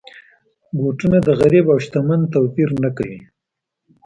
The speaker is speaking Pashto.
بوټونه د غریب او شتمن توپیر نه کوي.